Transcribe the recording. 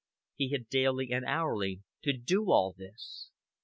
He had daily and hourly to do all this.